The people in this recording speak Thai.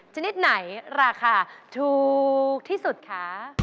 ชนิดไหนราคาถูกที่สุดคะ